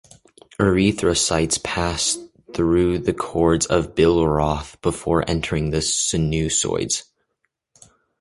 Erythrocytes pass through the cords of Billroth before entering the sinusoids.